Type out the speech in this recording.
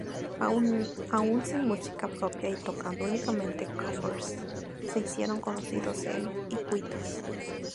Aún sin música propia y tocando únicamente covers se hicieron conocidos en Iquitos.